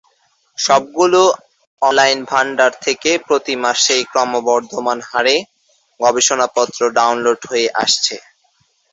সবগুলো অনলাইন ভান্ডার থেকে প্রতি মাসেই ক্রমবর্ধমান হারে গবেষণাপত্র ডাউনলোড হয়ে আসছে।